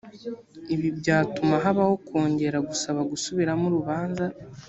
ibi byatuma habaho kongera gusaba gusubiramo urubanza